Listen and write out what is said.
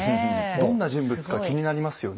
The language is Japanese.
どんな人物か気になりますよね？